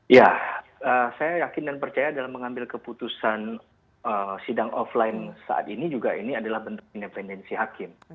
ya saya yakin dan percaya dalam mengambil keputusan sidang offline saat ini juga ini adalah bentuk independensi hakim